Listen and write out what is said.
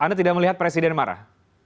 anda tidak melihat presiden marah